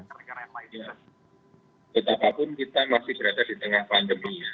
kita patun kita masih berada di tengah pandemi